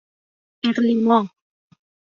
اِقلیما